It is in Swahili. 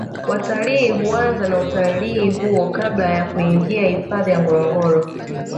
watalii huanza na utalii huo kabla ya kuingia hifadhi ya ngorongoro